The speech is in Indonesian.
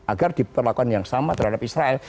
agar diperlakukan yang sama terhadap israel